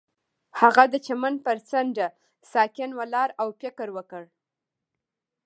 هغه د چمن پر څنډه ساکت ولاړ او فکر وکړ.